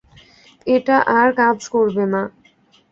এটা আর কাজ করবে না।